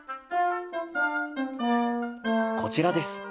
こちらです。